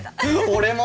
俺も！